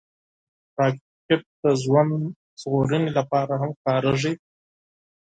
راکټ د ژوند ژغورنې لپاره هم کارېږي